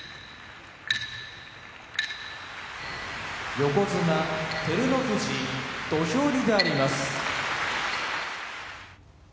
横綱照ノ富士土俵入りであります。